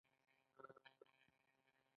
پښتو دې زموږ د فکر او احساس ژبه وګرځي.